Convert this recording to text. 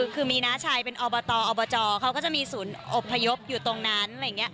คือมีน้าชายเป็นอบตอบจเขาก็จะมีศูนย์อบพยพอยู่ตรงนั้น